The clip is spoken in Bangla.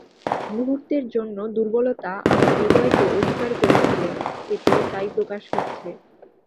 মুহূর্তের জন্য দুর্বলতা আমার হৃদয়কে অধিকার করেছিল, এতে তাই প্রকাশ হচ্ছে।